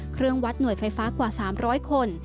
เครื่องวัดหน่วยไฟฟ้ากว่า๓๐๐คน